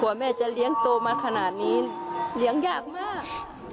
แม่จะเลี้ยงโตมาขนาดนี้เลี้ยงยากมาก